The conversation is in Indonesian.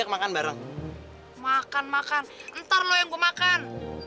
makan makan ntar lo yang gue makan